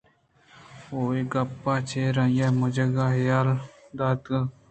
ءُ اے گپّ چرآئی ءِ مجگءُ حیالءَدراتک